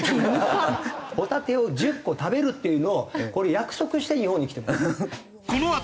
ホタテを１０個食べるっていうのをこれ約束して日本に来てもらう。